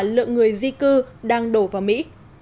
lượng người di cư đang đổ vào mỹ